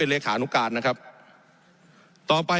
มีล้ำตีตั้นเนี่ยมีล้ำตีตั้นเนี่ย